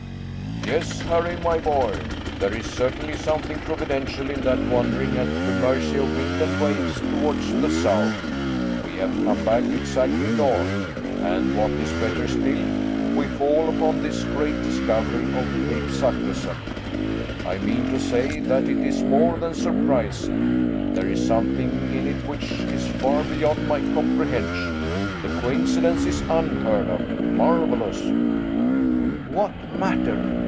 "Yes, Harry, my boy, there is certainly something providential in that wandering at the mercy of wind and waves towards the south: we have come back exactly north; and what is better still, we fall upon this great discovery of Cape Saknussemm. I mean to say, that it is more than surprising; there is something in it which is far beyond my comprehension. The coincidence is unheard of, marvelous!" "What matter!